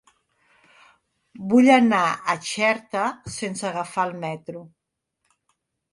Vull anar a Xerta sense agafar el metro.